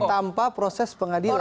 tanpa proses pengadilan